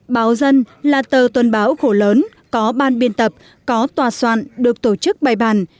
báo dân là tờ tuần báo khổ lớn có ban biên tập có tòa soạn được tổ chức bày bàn